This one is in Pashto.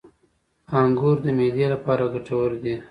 • انګور د معدې لپاره ګټور دي.